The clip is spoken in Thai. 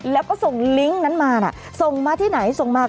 แล้วก็ส่งลิงก์นั้นมานะส่งมาที่ไหนส่งมา